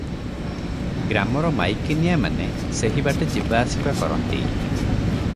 ଗ୍ରାମର ମାଇକିନିଆମାନେ ସେହିବାଟେ ଯିବାଆସିବା କରନ୍ତି ।